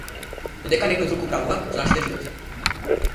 Додека некој друг управува со нашите животи.